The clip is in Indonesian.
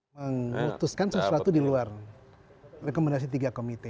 memutuskan sesuatu di luar rekomendasi tiga komite